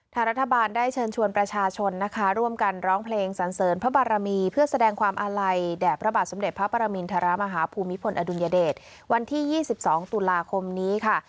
รัฐบาลได้เชิญชวนประชาชนนะคะร่วมกันร้องเพลงสันเสริญพระบารมีเพื่อแสดงความอาลัยแด่พระบาทสมเด็จพระปรมินทรมาฮภูมิพลอดุลยเดชวันที่๒๒ตุลาคมนี้ค่ะ